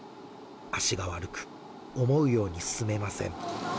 足が悪く、思うように進めません。